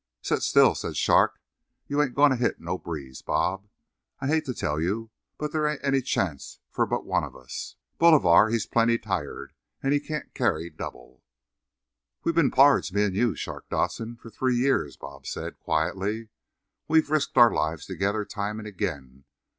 "Set still," said Shark. "You ain't goin' to hit no breeze, Bob. I hate to tell you, but there ain't any chance for but one of us. Bolivar, he's plenty tired, and he can't carry double." "We been pards, me and you, Shark Dodson, for three year," Bob said quietly. "We've risked our lives together time and again.